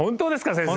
先生。